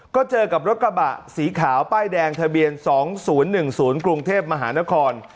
ก็เจอกับรถกระบะสีขาวป้ายแดงทะเบียน๒๐๑๐กรุงเทพมหานคร